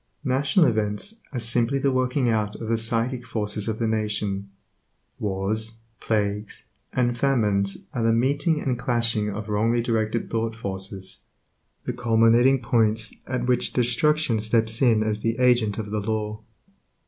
National events are simply the working out of the psychic forces of the nation. Wars, plagues, and famines are the meeting and clashing of wrongly directed thought forces, the culminating points at which destruction steps in as the agent of the Law.